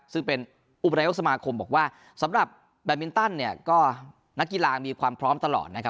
ซึ่งเป็นอุปนายกสมาคมบอกว่าสำหรับแบตมินตันเนี่ยก็นักกีฬามีความพร้อมตลอดนะครับ